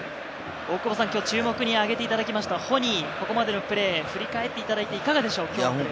今日注目に上げていただきましたホニ、ここまでのプレー、振り返っていただいていかがでしょう？